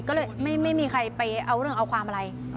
ก็เลยไม่มีใครไปเอาเรื่องเอาความอะไร